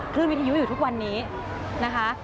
วิทยุอยู่ทุกวันนี้นะคะ